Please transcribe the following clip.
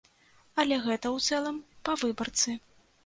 Але гэта ў цэлым па выбарцы.